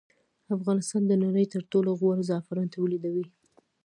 افغانستان د نړۍ تر ټولو غوره زعفران تولیدوي